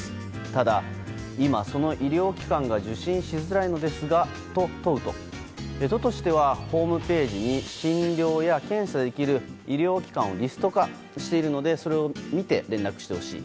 ただ、今その医療機関が受診しづらいのですがと問うと都としては、ホームページに診療や検査ができる医療機関をリスト化しているのでそれを見て連絡してほしい。